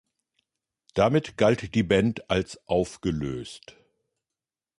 Damit galt die Band als aufgelöst.